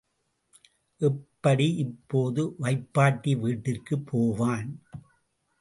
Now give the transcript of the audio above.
எப்படி இப்போது வைப்பாட்டி வீட்டிற்குப் போவான்?